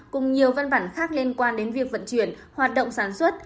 cùng nhiều văn bản khác liên quan đến việc vận chuyển hoạt động sản xuất